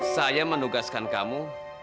saya menugaskan kamu